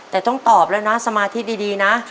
เติมแล้วนะสมาธิดีนะ